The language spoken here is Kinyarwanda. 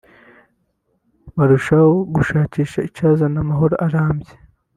barushaho gushakisha icyazana amahoro arambye